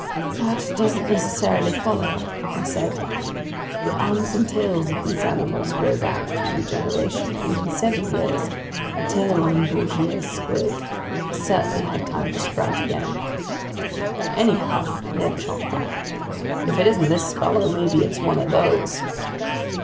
"That doesn't necessarily follow," I said. "The arms and tails of these animals grow back through regeneration, and in seven years the tail on Bouguer's Squid has surely had time to sprout again." "Anyhow," Ned shot back, "if it isn't this fellow, maybe it's one of those!"